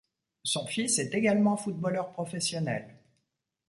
Son fils est également footballeur professionnel.